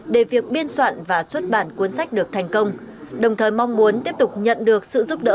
để việc biên soạn và xuất bản cuốn sách được thành công đồng thời mong muốn tiếp tục nhận được sự giúp đỡ